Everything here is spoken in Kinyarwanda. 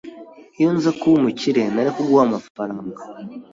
Iyo nza kuba umukire, nari kuguha amafaranga.